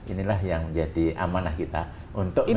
inilah yang jadi amanah kita untuk menjaga